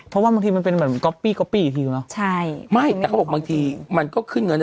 เพราะว่าบางทีมันเป็นเหมือนก๊อปปี้ก๊อปปี้อีกทีเนอะใช่ไม่แต่เขาบอกบางทีมันก็ขึ้นเงิน